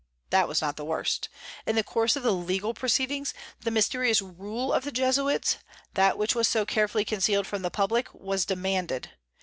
That was not the worst. In the course of the legal proceedings, the mysterious "rule" of the Jesuits that which was so carefully concealed from the public was demanded.